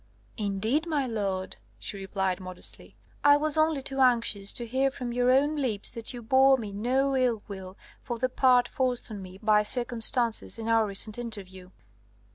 "Indeed, my lord," she replied modestly, "I was only too anxious to hear from your own lips that you bore me no ill will for the part forced on me by circumstances in our recent interview.